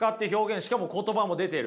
しかも言葉も出てる。